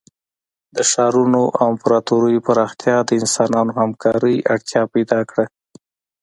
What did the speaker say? د ښارونو او امپراتوریو پراختیا د انسانانو همکارۍ اړتیا پیدا کړه.